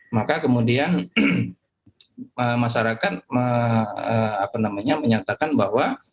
maka kemudian masyarakat menyatakan bahwa